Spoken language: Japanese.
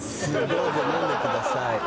どうぞ飲んでください」